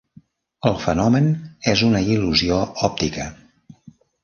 El fenomen és una il·lusió òptica.